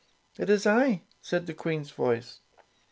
"It is I," said the Queen's voice.